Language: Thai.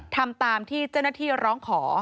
ทำตามที่เจ้าหน้าที่ร้องขอ